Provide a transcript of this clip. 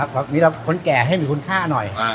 ตรงนี้เราคนแก่ให้มีคุณค่าหน่อย